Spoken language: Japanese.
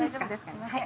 すみません。